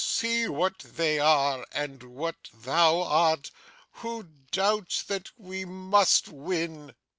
See what they are and what thou art. Who doubts that we must win!